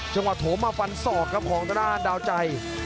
โถมาฟันศอกครับของทางด้านดาวใจ